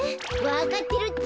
わかってるって。